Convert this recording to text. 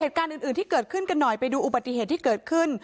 เหตุการณ์อื่นที่เกิดขึ้นกันหน่อยไปดูอุบัติเหตุที่เกิดขึ้น